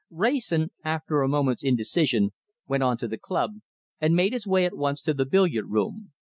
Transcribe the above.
Wrayson, after a moment's indecision, went on to the club, and made his way at once to the billiard room.